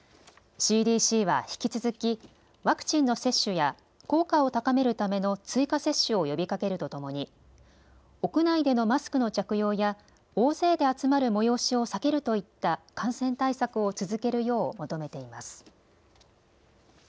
ＣＤＣは引き続きワクチンの接種や効果を高めるための追加接種を呼びかけるとともに、屋内でのマスクの着用や大勢で集まる催しを避けるといった感染対策を続けるよう求めています。